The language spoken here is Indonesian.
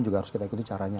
juga harus kita ikuti caranya